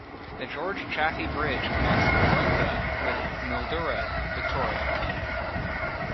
The George Chaffey Bridge connects Buronga with Mildura, Victoria.